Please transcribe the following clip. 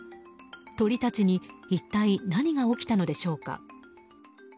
鳥たちに一体何が起きたのでしょうか。